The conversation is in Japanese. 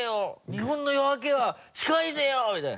日本の夜明けは近いぜよ」みたいな。